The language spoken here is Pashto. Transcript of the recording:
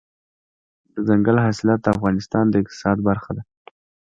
دځنګل حاصلات د افغانستان د اقتصاد برخه ده.